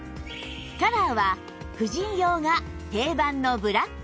カラーは婦人用が定番のブラック